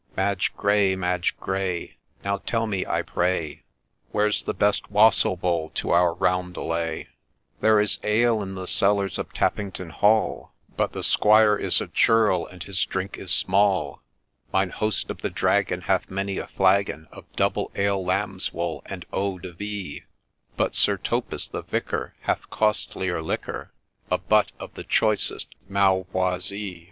—* Madge Gray, Madge Gray, Now tell me, I pray, Where 's the best wassail bowl to our roundelay T '—' There is ale in the cellars of Tappington Hall, But the Squire 1 is a churl, and his drink is small ; Mine host of the Dragon Hath many a flagon Of double ale, lambs' wool, and eau de vie, But Sir Thopas, the Vicar, Hath costlier liquor, — A butt of the choicest Malvoisie.